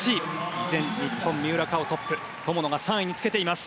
依然、日本の三浦佳生がトップ友野が３位につけています。